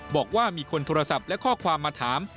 บอกว่ามีคนโทรศัพท์และข้อความมาถาม